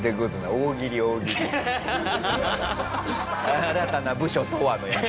「新たな部署とは？」のやつ。